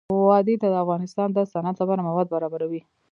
وادي د افغانستان د صنعت لپاره مواد برابروي.